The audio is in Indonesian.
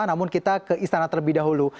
namun kita ke istana terlebih dahulu